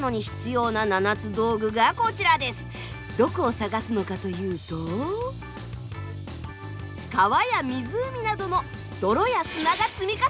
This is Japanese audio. どこを探すのかというと川や湖などの泥や砂が積み重なった地層。